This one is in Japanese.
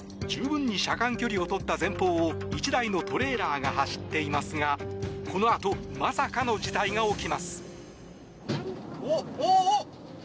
十分に車間距離を取った前方を１台のトレーラーが走っていますがこのあとまさかの事態が起きます。